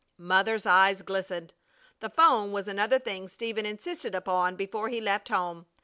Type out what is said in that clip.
Mother's eyes glistened. The 'phone was another thing Stephen insisted upon before he left home.